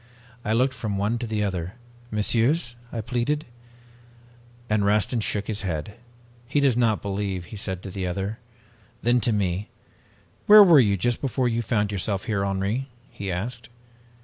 "I looked from one to the other. 'Messieurs,' I pleaded, and Rastin shook his head. "'He does not believe,' he said to the other. Then to me, 'Where were you just before you found yourself here, Henri?' he asked.